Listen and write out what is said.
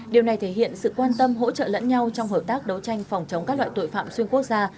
điều này thể hiện sự quan tâm hỗ trợ lẫn nhau trong hợp tác đấu tranh phòng chống các loại tội phạm xuyên quốc gia